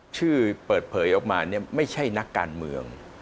ชื่อเปิดเผยออกมาเนี่ยไม่ใช่นักการเมือง